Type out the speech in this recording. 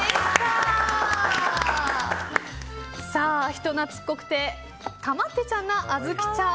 人懐っこくてかまってちゃんなあずきちゃん。